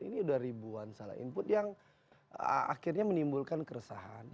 ini sudah ribuan salah input yang akhirnya menimbulkan keresahan